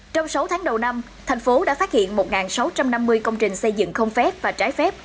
trong sáu tháng đầu năm thành phố đã phát hiện một sáu trăm năm mươi công trình xây dựng không phép và trái phép